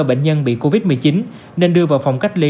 bệnh nhân bị covid một mươi chín nên đưa vào phòng cách ly